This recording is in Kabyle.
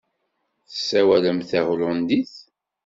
Tessawalemt tahulandit?